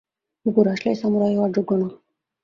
কুকুর আসলেই সামুরাই হওয়ার যোগ্য না!